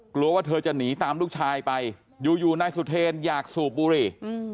กลัวว่าเธอจะหนีตามลูกชายไปอยู่นายสุเทรนอยากสูบบุหรี่